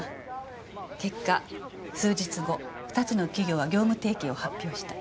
結果数日後２つの企業は業務提携を発表した。